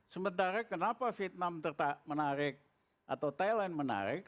sementara kenapa vietnam menarik atau thailand menarik